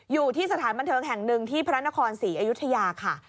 อยู่ที่สถานบันเทิงแห่งหนึ่งที่พระนครศรีอยุธยาค่ะ